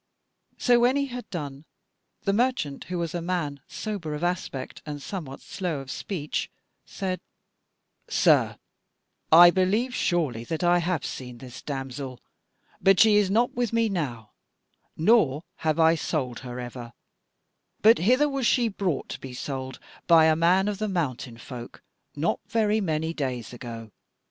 So when he had done, the merchant, who was a man sober of aspect and somewhat slow of speech, said: "Sir, I believe surely that I have seen this damsel, but she is not with me now, nor have I sold her ever; but hither was she brought to be sold by a man of the mountain folk not very many days ago.